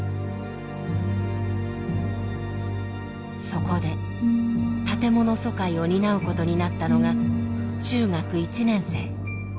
そこで建物疎開を担うことになったのが中学１年生。